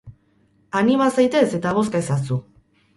Anima zaitez eta bozka ezazu!